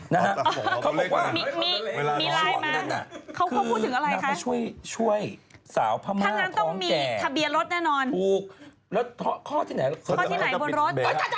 นะฮะเขาพูดว่าช่วงนั้นน่ะคือนักมาช่วยสาวพระม่าท้องแก่ถูกแล้วข้อที่ไหนบนรถ